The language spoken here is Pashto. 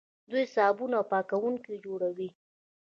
دوی صابون او پاکوونکي جوړوي.